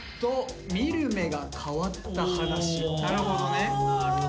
なるほどね。